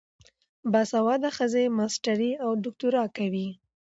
باسواده ښځې ماسټري او دوکتورا کوي.